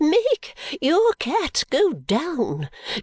"Make your cat go down.